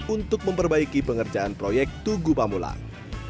untuk memperbaiki pengerjaan proyek tugu pamulang